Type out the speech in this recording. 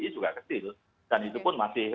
juga kecil dan itu pun masih